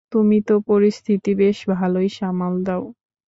তুমি তো পরিস্থিতি বেশ ভালোই সামাল দাও।